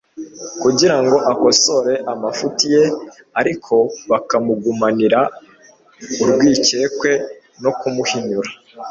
kugira ngo akosore amafuti ye; ariko bakamugumanira urwikekwe no kumuhinyura.